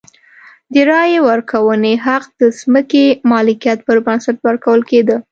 د رایې ورکونې حق د ځمکې مالکیت پر بنسټ ورکول کېده.